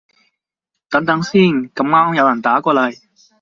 等等先，咁啱有人打過來